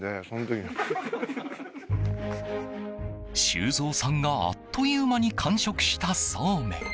修造さんがあっという間に完食したそうめん。